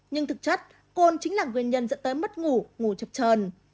nhưng thực chất côn chính là nguyên nhân dẫn tới mất ngủ ngủ chập trờn